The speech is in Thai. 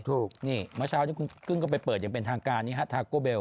ถูกนี่เมื่อเช้านี้คุณกึ้งก็ไปเปิดอย่างเป็นทางการนี้ฮะทาโกเบล